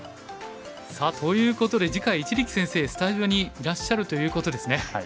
さあということで次回一力先生スタジオにいらっしゃるということですね。